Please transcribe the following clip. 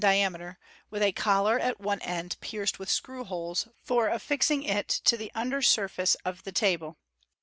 diameter, with a collar at one end pierced with screw holes tor affix ing it to the under surface of the table.